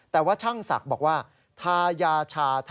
แต่ว่าช่างศักดิ์บอกว่าทายาชา